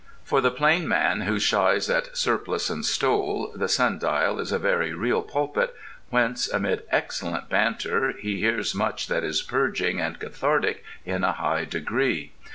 For the plain man who shies at surplice and stole, the Sun Dial is a very real pulpit, whence, amid excellent banter, he hears much that is purging and cathartic in a high degree.